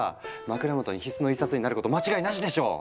枕元に必須の１冊になること間違いなしでしょう！